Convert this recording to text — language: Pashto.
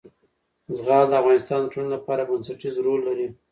زغال د افغانستان د ټولنې لپاره بنسټيز رول لري.